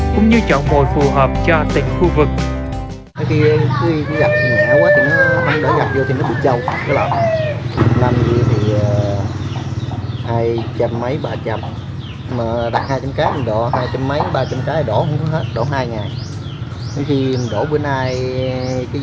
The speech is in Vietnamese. cũng như chọn mồi phù hợp cho từng khu vực